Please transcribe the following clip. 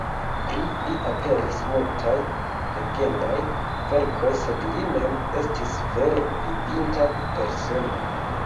Pri li aperis multaj legendaj verkoj, sed li mem estis vere vivinta persono.